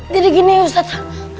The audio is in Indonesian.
jadi gini ustadz